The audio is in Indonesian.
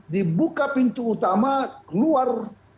dibuka pintu utama keluar